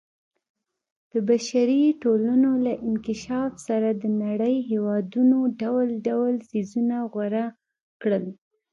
د بشري ټولنو له انکشاف سره د نړۍ هېوادونو ډول ډول څیزونه غوره کړل.